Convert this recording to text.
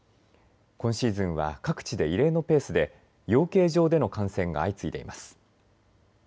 今シーズンは各地で異例のペースで養鶏場での感染が相次いでいます。